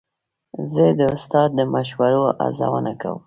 زه د استاد د مشورو ارزونه کوم.